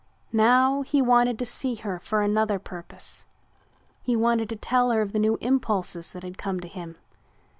Now he wanted to see her for another purpose. He wanted to tell her of the new impulses that had come to him.